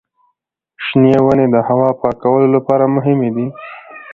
شنې ونې د هوا پاکولو لپاره مهمې دي.